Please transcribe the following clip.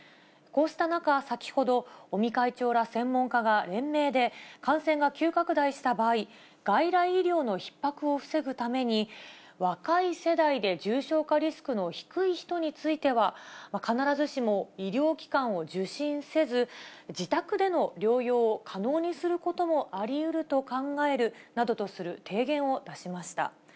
こうした中、先ほど、尾身会長ら専門家が連名で、感染が急拡大した場合、外来医療のひっ迫を防ぐために、若い世代で重症化リスクの低い人については、必ずしも医療機関を受診せず、自宅での療養を可能にすることもありうると考えるなどとする提言を出しました。